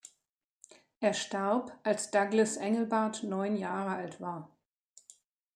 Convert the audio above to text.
Er starb, als Douglas Engelbart neun Jahre alt war.